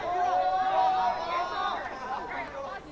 justru akan ber aucune kesalahan